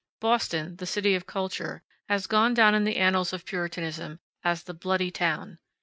Boston, the city of culture, has gone down in the annals of Puritanism as the "Bloody Town."